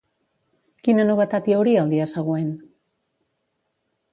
Quina novetat hi hauria el dia següent?